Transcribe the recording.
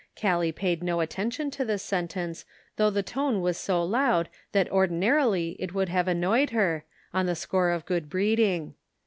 Gallic paid no attention to this sentence, though the tone was so loud that ordinarily it would have annoyed her, on the score of good breeding.